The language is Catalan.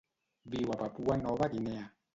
Viu a Papua Nova Guinea.